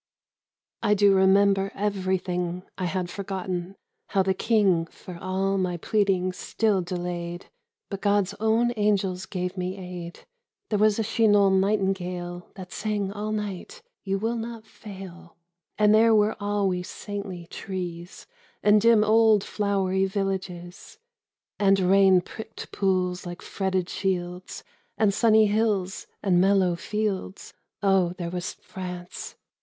Jeanne d'Arc : I do remember everything I had forgotten : how the king For all my pleading still delayed, But God's own angels gave me aid. There was a Chinon nightingale That sang all night :" You will not fail !" And there were always saintly trees, And dim old flowery villages, The Return of Jeanne d'Arc And rain pricked pools like fretted shields, And sunny hills and mellow fields, Oh, there was France